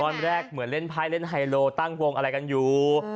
ตอนแรกเหมือนเล่นไพ่เล่นไฮโลตั้งวงอะไรกันอยู่